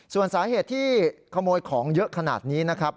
ส่วนสาเหตุที่ขโมยของเยอะขนาดนี้นะครับ